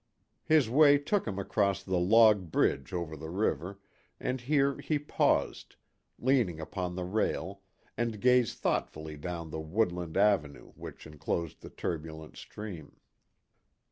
His way took him across the log bridge over the river, and here he paused, leaning upon the rail, and gazed thoughtfully down the woodland avenue which enclosed the turbulent stream.